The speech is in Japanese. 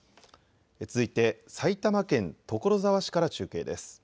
続いて埼玉県所沢市から中継です。